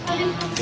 え？